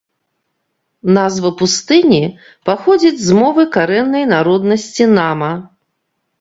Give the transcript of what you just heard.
Назва пустыні паходзіць з мовы карэннай народнасці нама.